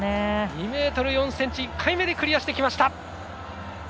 ２ｍ４ｃｍを１回目でクリアしてきました。